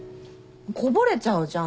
こぼれちゃうじゃん